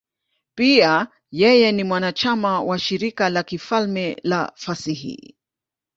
Pia yeye ni mwanachama wa Shirika la Kifalme la Fasihi.